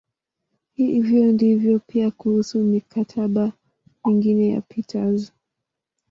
Hivyo ndivyo pia kuhusu "mikataba" mingine ya Peters.